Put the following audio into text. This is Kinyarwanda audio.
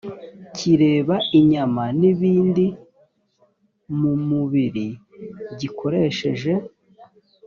kireba inyama n ibindi mu mubiri gikoresheje